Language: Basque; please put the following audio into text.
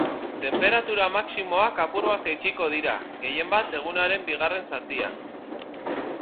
Tenperatura maximoak apur bat jaitsiko dira, gehienbat egunaren bigarren zatian.